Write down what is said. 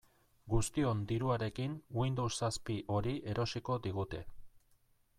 Guztion diruarekin Windows zazpi hori erosiko digute.